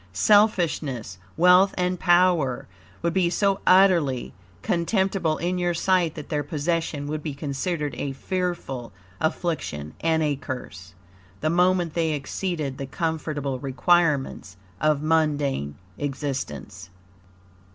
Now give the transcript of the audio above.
Selfishness, wealth, and power, would be so utterly contemptible in your sight that their possession would be considered a fearful affliction and a curse, the moment they exceeded the comfortable requirements of mundane existence.